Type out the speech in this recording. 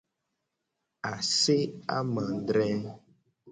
Ase amadre.